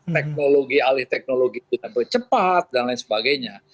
teknologi alih teknologi cepat dan lain sebagainya